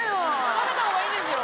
食べた方がいいですよ。